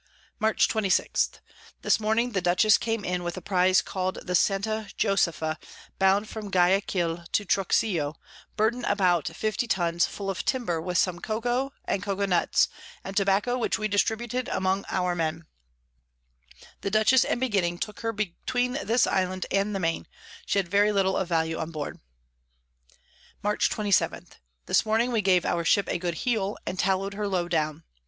Mar. 26. This Morning the Dutchess came in with a Prize call'd the Santa Josepha, bound from Guiaquil to Truxillo, Burden about 50 Tuns, full of Timber, with some Cocou, and Coco Nuts, and Tobacco which we distributed among our Men: The Dutchess and Beginning took her between this Island and the Main; she had very little of Value on board. Mar. 27. This Morning we gave our Ship a good heel, and tallow'd her low down.